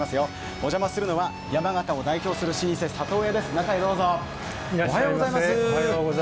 お邪魔するのは、山形を代表する老舗、佐藤屋です、中へどうぞ。